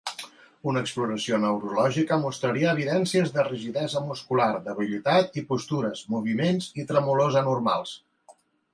Una exploració neurològica mostraria evidències de rigidesa muscular, debilitat i postures, moviments i tremolors anormals.